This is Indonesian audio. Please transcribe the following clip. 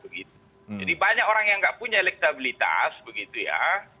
jadi banyak orang yang nggak punya elektabilitas begitu ya